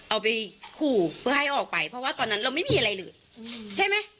เอาไปขู่เพื่อให้ออกไปเพราะว่าตอนนั้นเราไม่มีอะไรเลยใช่ไหม